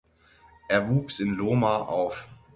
Er wuchs in Lohmar auf.